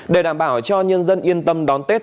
để đảm bảo cho nhân dân yên tâm đón tết